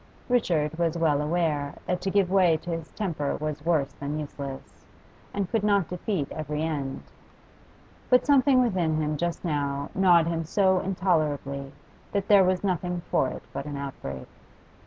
Richard was well aware that to give way to his temper was worse than useless, and could only defeat every end; but something within him just now gnawed so intolerably that there was nothing for it but an outbreak.